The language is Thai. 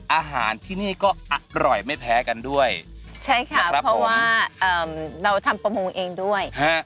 อาหารที่นี่ก็อร่อยไม่แพ้กันด้วยใช่ค่ะเพราะว่าเราทำประมงเองด้วยฮะ